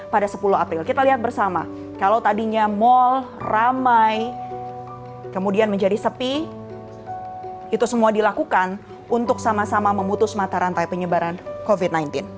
pada sepuluh april kita lihat bersama kalau tadinya mal ramai kemudian menjadi sepi itu semua dilakukan untuk sama sama memutus mata rantai penyebaran covid sembilan belas